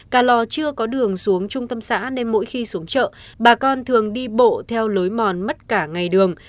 cà lò chưa có đường xuống trung tâm xã nên mỗi khi xuống chợ bà con thường đi bộ theo lối mòn mất cả ngày đường